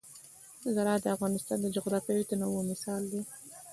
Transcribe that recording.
زراعت د افغانستان د جغرافیوي تنوع مثال دی.